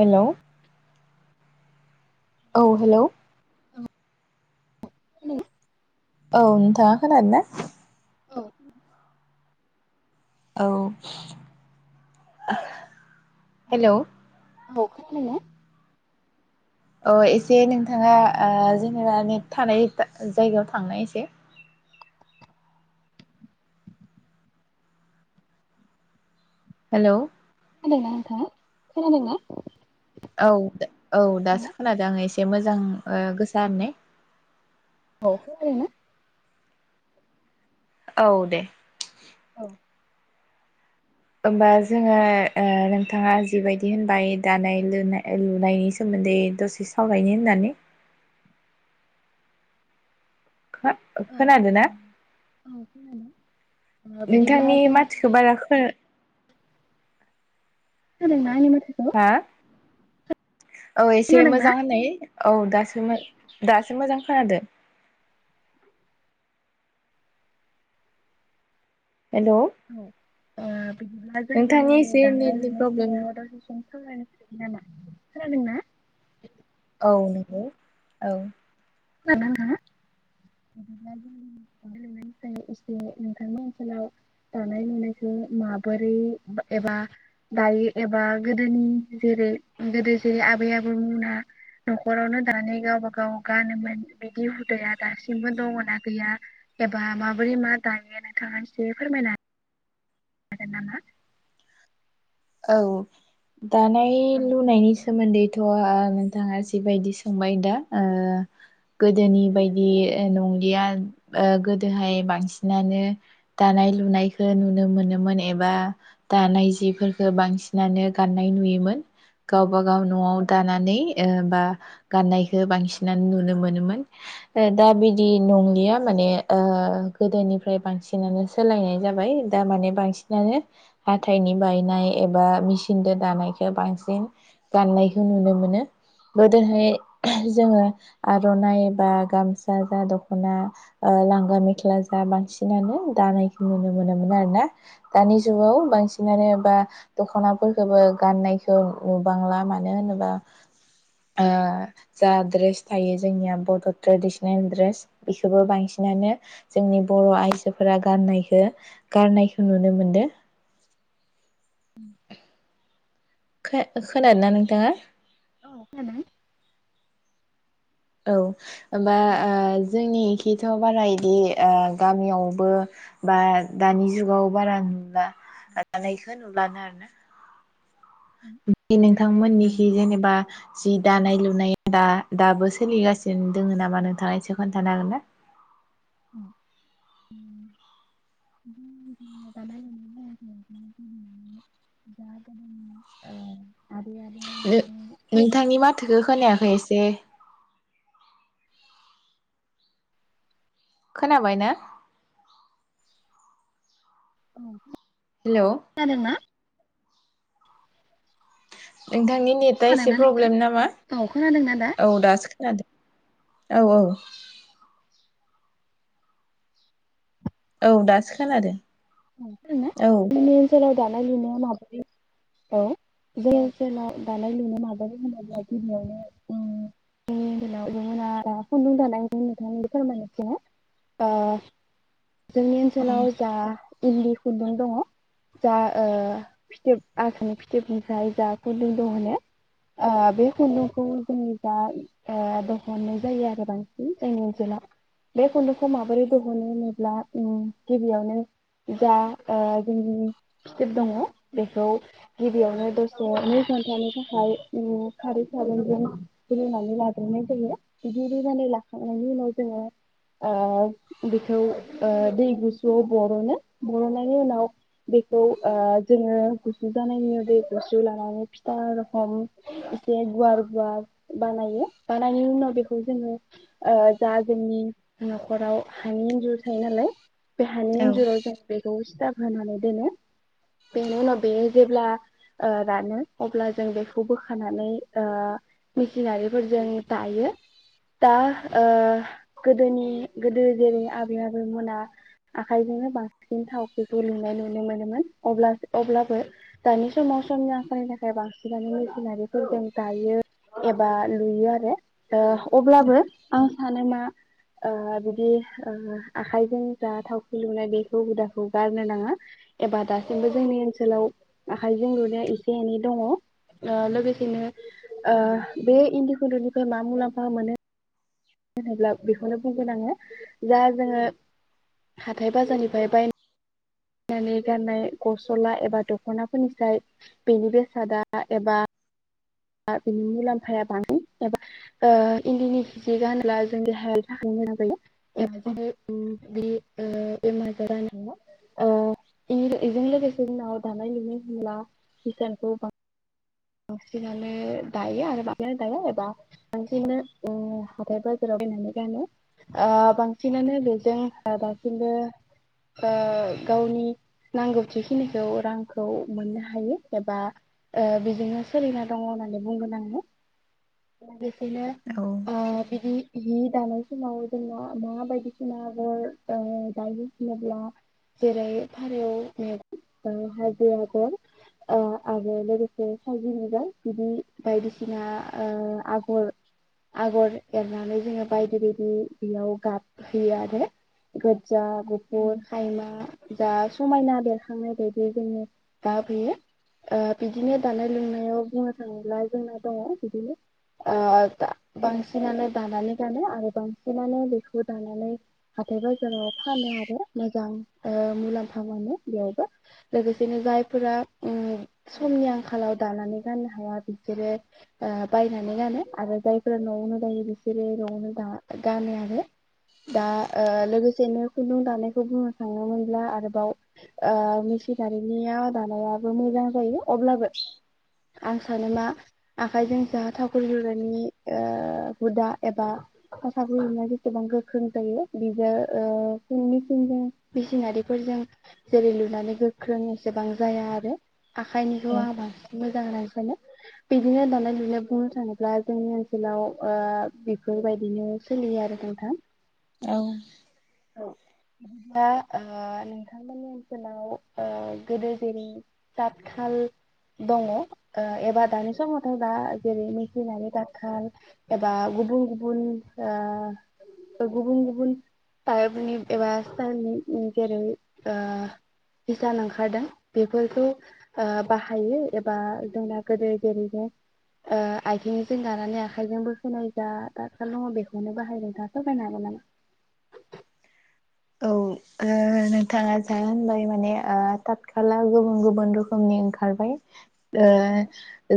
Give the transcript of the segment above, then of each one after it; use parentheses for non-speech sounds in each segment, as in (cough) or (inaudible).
Hello औ hello (inaudible) औ नोंथाङा खोनादो ना? औ औ हेलौ (unintelligible) अ एसे नोंथाङा ओ जेनेबा नेट थानाय जा जायगायाव थांनाय इसे हेलौ खोनादोंना नोंथांङा खोनादोंना? औ दा औ दासो खोनादों आं एसे एसे मोजां ओ गोसा होननाय औ खोनादोंना? औ दे औ ओमबा जोङो औ ओ नोंथाङा जिबायदि होनबाय दानाय लुनाय लुनायनि सोमोन्दै दसे सावरायनो होननानै। खा खोनादो औ ना औ खोनादों बिदिब्ला नोंथांनि जों माथोखो दिनै बारा खो खोनादों ना आंनि माथ हा औ एसे खोनादोंना मोजां होननाय । औ दासो मो दासो मोजां खोनादो। हेलौ औ ओ बिदिब्ला जों नोंथांनि दिनै एसे दानाय नेटनि लुनाय प्रब्लेम सायाव दसे सम (unintelligible) खोनादोंना ना? औ नंगौ औ जानाङा बिदिब्ला एसे जों दिनै एसे नोंथांनि ओनसोलाव दानाय लुनायखौ माबोरै एबा दायो एबा गोदोनि जेरै गोदो जेरै आबै आबौमोना न'खरावनो दानाय गावबा गाव गानोमोन बिदि हुदाया दासिम बो दङ ना गैया एबा माबोरै मा दायो नोंथाङा इसे फोरमायना हाग हागोन नामा? औ दानाय औ लुनायनिसो सोमोन्दैथ' ओ नोंथाङा जिबायदि सोंबाय दा ओ गोदोनि बायदि ओ नंलिया ओ गोदोहाय बांसिनानो दानाय लुनायखौ नुनो मोनोमोन एबा दानाय जिफोर बांसिनानो गाननाय नुयोमोन गाव गावबाागाव न'आव औ दानानै ओ बा गाननायखौ बांसिनानो नुनो मोनोमोन ओ दा बिदि नंलिया माने ओ गोदोनिफ्राय बांसिनानो सोलायनाय जाबाय दा माने बांसिनानो हाथाइनि बायनाय एबा मिचिनदो दानायखौ बांसिन गाननायखौ नुनो मोनो। औ गोदोहाय जोङो आर'नाइ बा गामसा जा दख'ना ओ लांगा मेख्ला जा बांसिनानो दानायखौ नुनो मोनोमोन आरो ना? दानि जुगाव बांसिनानो बा दख'नाफोरखौबो गाननायखौ नुबांला मानो होनोबा ओ जा द्रेस थायो जोंनिया बड' ट्रेडिसनेल द्रेस बेखौबो बांसिनानो जोंनि बर' आइजोफोरा गाननायखो गाननायखो नुनो मोनदो। खो खोनादों ना नोंथाङा? औ खोनादों। औ बा औ ओ जोंनि बेदिथ' बारा इदि गामियावबो बा दानि जुगाव बारा नुला दानायखौ नुलानो आरो ना नोंथांमोननिखि जेनेबा जि दानाय लुनाया दा दाबो सोलिगासिनो दङ नामा नोंथाङा एसे खोन्थानो हागोन ना (unintelligible) आबौमोना (unintelligible) औ नोंथांनि माथोखौ खोनायाखै एसे खोनाबाय ना? हेलौ खोनादोंना? नोंथांनि नेटआ एसे खोनादोंना नोंथां प्रब्लेम नामा औ खोनादोंना दा औ दासो खोनादों। औ औ औ दासो खोनादों औ (unintelligible) दानाय लुनाया माबोरै औ जोंनि ओनसोलाव दानाय लुनाय माबोरै होनोब्ला गिबियावनो ओम जोंनि ओनसोलाव जों खुन्दुं दानाय नोंथांनि फोरमायथिनो ओ जोंनि ओनसोलाव जा इन्दि खुन्दुं दङ जा ओ फिथोब आसुनि फिथोब गसाय जा खुन्दुं दिहुननो ओ बे खुन्दुंखौ जोंनि जा दिहननाय जायो आरो बांसिन जोंनि ओनसोलाव बे खुन्दुंखौ माबोरै दिहनो होनोब्ला गिबियावनो जा जोंनि फिथोब दङ बेखौ गिबियावनो दसे नै खोन्थानि थाखाय खारै सारुनजों रुनानै लाग्रोनाय जायो बिदि रुनानै लाखांनायनि उनाव जोङो ओ बेखौ दै गुसुआव बरननो बरनायनि उनाव बेखौ ओ जोङो गुसु जानायनि उदै गुसु लानानै फिथा रोखम एसे गुवार गुवार बानायो बानायनायनि उनाव बेखौ जोङो ओ जा जोंनि नखराव हानि एन्जुर थायो नालाय बे हानि इन्जुराव जों सिथाब होनानै दोनो बेनिउनाव बे जेब्ला ओ राननो अब्ला जों बेखौ बोखानानै ओ मिसिनारि फोरजों दायो दा ओ गोदोनि गोदो जेरै आबै आबौ मोनना आखाइजोंनो बांसिन थावख्रिखौ लुनाय नुनो मोनोमोन अ-अब्लाबो दानि समाव समनि आखारनि थाखाय बांसिनानो मेसिनारिफोरजों दायो एबा लुयो आरो ओ अब्लाबो आं सानो मा ओ बिदि ओ आखाइजों जा थावखि लुनाय बे हुदाखौ गारनो नाङा एबा दासिमबो जोंनि ओनसोलाव आखाइजों लुनाया एसे एनै दङ ओ लोगोसेनो ओ बे इन्दि खुन्दुंनिफ्राय मा मुलाम्फा मोनो मानो होनोब्ला बेखौनो बुंगोन आङो जा जोङो हाथाय बाजारनिफ्राय बाय बायनानै गाननाय गसला एबा दखनाफोरनिफ्राय बेनि बेसादा एबा बिनि मुलाम्फाया बांसिन एबा ओ इन्दिनि जि गानोब्ला जों देहाय थाखाय मोजां जायो एबा जों बि बेमार आजारा हाया ओ बेजों लोगोसे जोंनाव दानाय लुनाय होनब्ला हिसानखौ बांसिनानो दायो आरो बांसिनानो दाया एबा बांसिनानो ओ हाथाय बाजाराव बायनानै गानो ओ बांसिनानो बेजों दासिमबो ओ गावनि नांगौ खिनिखौ रांखौ मोननो हायो एबा ओ सोलिना दङ होननानै बुंगोन आङो बिनो औ ओ बिदि हि दानाय समाव जोंना मा बायदि सिना आगर ओ दायो होनोब्ला जेरै फारौ मेगन हाजो आगर आ आरो लोगोसे थाइगिर बिबार बिदि बायदिसिना ओ आगर आगर एरनानै जोङो बायदि बायदि बेयाव गाब होयो आरो गो गोजा गुफुर खायमा जा समायना बेरखांनाय बायदि जोंनि गाब होयो ओ बिदिनो दानाय लोंनायाव बुंनो थाङोब्ला जोंना दङ बिदिनो ओ बांसिनानो दानानै गानो आरो बांसिनानो बेखौ दानानै हाथाय बाजाराव फानो आरो मोजां ओ मुलाम्फा मोनो बेयावबो लोगोसेनो जायफोरा ओम समनि आंखालाव दानानै गाननो हाया बिसोरो बायनानै गानो आरो जायफोरा न'आवनो जायो बिसोरो नआवनो दा गानो आरो दा ओ लोगोसेनो खुन्दुं दानायखौ बुंनो थाङोब्ला आरोबाव ओ मेचिनारिनियाव दानायाबो मोजां जायो अब्लाबो आं सानो मा आखाइजों जोङो जा थावख्रि लुनायनि ओ हुदा एबा साख्रि लुनाय जेसेबां गोख्रों जायो बिजों मेचिनजों मेसिनारिफोरजों जेरै लुनानै गोख्रों एसेबां जाया आरो आखाइनिखौ आं बांसिन मोजां होननानै सानो बिदिनो दाना लुनो बुंनो थाङोब्ला जोंनि ओनसोलाव ओ बेफोरबायदिनो सोलियो आरो नोंथां औ औ दा ओ नोंथांमोननि ओनसोलाव ओ गोदो जेरै दा थाल दङ ओ एबा दानि समावथ दा जेरै मेचनारि दाथाल एबा गुबुन गुबुन ओ गुबुन गुबुन टाइपनि एबा सिथाइलनि जेरै ओ बिसान ओंखारदों बेफोरखौ ओ बाहायो एबा जोंना गोदो जेरैनो ओ आथिंजों गानानै आखाइजों बोखोनाय जा थाथखाल दङ बेखौनो बाहायदों नोंथाङा बेखौ फोरमायनो हागोन नामा? औ नोंथाङा ओ जा होनबाय माने थात खाला गुबुन गुबुन रोखोमनि ओंखारबाय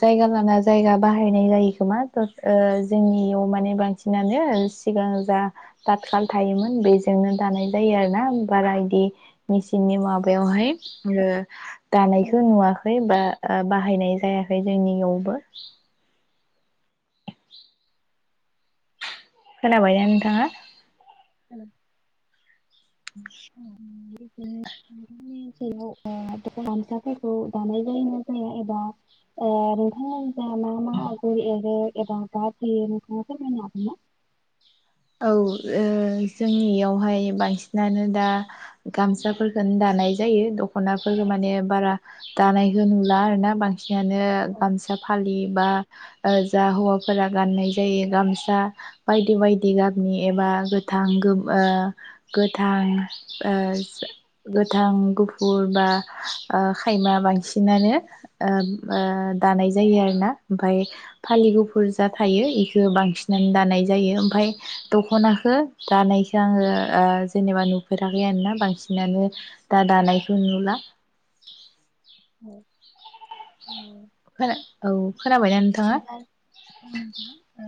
जायगा लाना जायगा बाहायनाय जायो खोमा जोंनियाव माने बांसिनानो सिगां जा दाथखाल थायोमोन बेजोंनो दानाय जायो आरो ना बारा बिदि मेचिननि माबायावहाय दानायखौ नुवाखै बा बाहायनाय जायाखै जोंनियावबो खोनाबायना नोंथाङा औ (inaudible) नोंथांनि ओनसोलाव गामसाफोरखौ दानाय जायो ना जाया एबा नोंथांया जा मा मा आगर एरो एबा बा फैयो नोंथाङा फोरमायनो हागोन ना? औ जोंनियावहाय बांसिनानो दा गामसाफोरखौनो दानाय जायो दख'नाफोरफोरखौ माने बारा दानायखौ नुला आरोना बांसिन नानोनो औ गामसा फालि बा जा हौवाफोरा गाननाय जायो गामसा बायदि बायदि बायदि गाबनि एबा गोथां गोथां गोथां गुफुर बा खायमा बांसिनानो दानाय जायो आरोना ओमफाय औ फालि गुफुर जा थायो इखौ बांसिनानो दानाय जायो ओमफाय दख'नाखौ दानायखौ आंङो जेनेबा नुफेराखै आरोना बांसिनानो दा दानायखौ नुला औ खोना औ खोनाबायना नोंथाङा? उम उम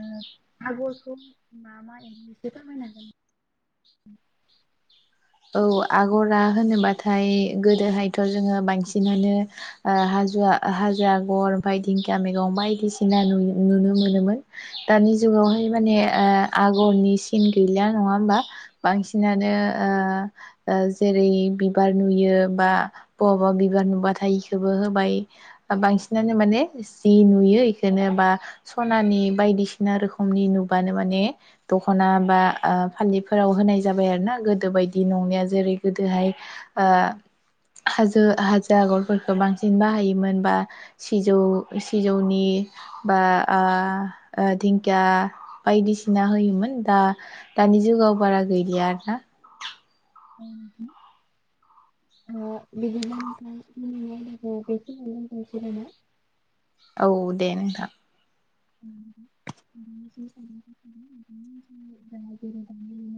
आगरखौ मा मा एवनो एसे फोरमायनांगोन औ आगरा होनोबाथाय गोदोहायथ' जोंङो बांसिनानो हाजोआ हाजो आग'र ओमफाय दिंखिया मैगं बायदिसिना नु-नुनो मोनोमोन दानि जुगावहाय माने ओ आगरनि सिन गैला नङा होमबा बांसिनानो ओ जेरै बिबार नुयो बा बहाबा बिबार नुबाथाय इखौोबो होबाय बांसिनानो माने जि नुयो बेखौनो बा सनानि बायदिसिना रोखोमनि नुबानो माने दख'ना बा फालिफोराव होनाय जाबाय आरो ना गोदो बायदि बिदि नंनाया जेरै गोदोहाय हाजो हाजो आगरफोरखौ बांसिन बाहायोमोन बा सिजौ सिजौनि बा दिंखिया या बायदिसिना होयोमोन दा दानि जुगाव बारा गैलिया आरोना ओ बिदिबा नोंथां जोंनि आयदाखौ बेखिनियावनो दोनथनोसै नामा? औ दे नोंथां ओम (unintelligible)